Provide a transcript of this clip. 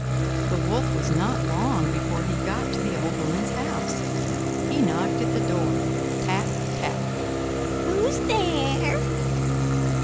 The Wolf was not long before he got to the old woman's house. He knocked at the door—tap, tap. "Who's there?"